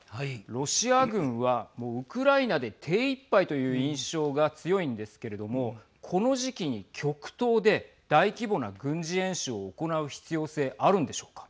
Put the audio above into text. ロシア軍はウクライナで手いっぱいという印象が強いんですけれどもこの時期に極東で大規模な軍事演習を行う必要性あるんでしょうか。